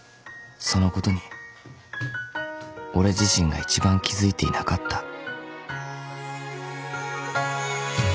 ［そのことに俺自身が一番気付いていなかった］